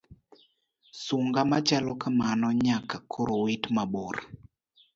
Sung'a machalo kamano nyaka koro wit mabor.